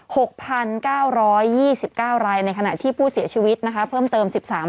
หกพันเก้าร้อยยี่สิบเก้ารายในขณะที่ผู้เสียชีวิตนะคะเพิ่มเติมสิบสาม